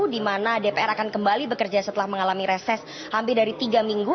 di mana dpr akan kembali bekerja setelah mengalami reses hampir dari tiga minggu